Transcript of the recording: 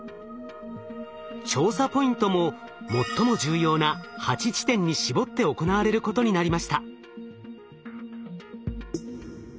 調査ポイントも最も重要な８地点に絞って行われることになりました。